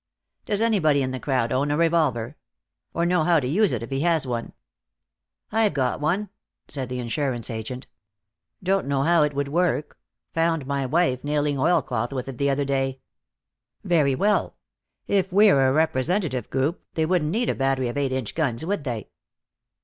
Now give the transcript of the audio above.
Does anybody in the crowd own a revolver? Or know how to use it if he has one." "I've got one," said the insurance agent. "Don't know how it would work. Found my wife nailing oilcloth with it the other day." "Very well. If we're a representative group, they wouldn't need a battery of eight inch guns, would they?"